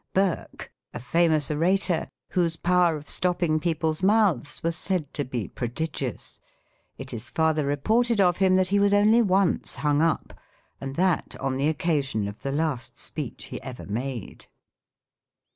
Burke. — A famous orator, whose power of stopping people's mouths was said to be prodigious. It is farther reported of him that he was only once hung up, and that on the occasion of the last speech he ever made.